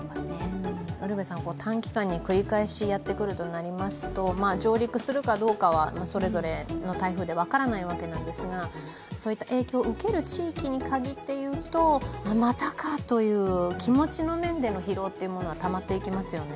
短期間に繰り返しやってくるとなりますと上陸するかどうかはそれぞれの台風で分からないわけなんですが、そういう影響を受ける地域にかぎっていうと、またかという気持ちの面での疲労はたまっていきますよね。